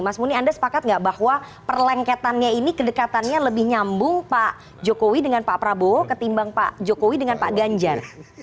mas muni anda sepakat nggak bahwa perlengketannya ini kedekatannya lebih nyambung pak jokowi dengan pak prabowo ketimbang pak jokowi dengan pak ganjar